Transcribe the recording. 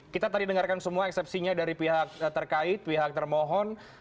kita tadi dengarkan semua eksepsinya dari pihak terkait pihak termohon